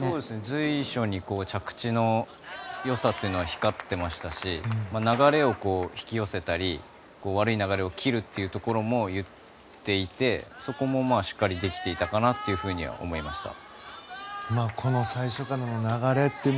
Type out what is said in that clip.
随所に着地の良さというのは光っていましたし流れを引き寄せたり悪い流れを切るというところも言っていて、そこもしっかりとできていたかなと思いました。